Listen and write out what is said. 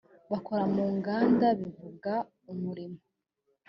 bakora mu nganda bivuga umurimo